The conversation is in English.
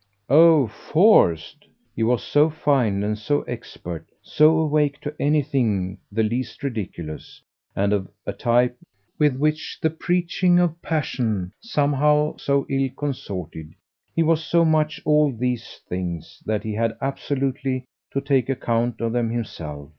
"Oh 'forced' !" He was so fine and so expert, so awake to anything the least ridiculous, and of a type with which the preaching of passion somehow so ill consorted he was so much all these things that he had absolutely to take account of them himself.